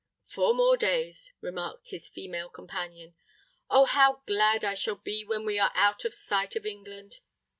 "Four more days," remarked his female companion. "Oh! how glad I shall be when we are out of sight of England!